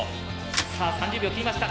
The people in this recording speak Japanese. さあ３０秒を切りました。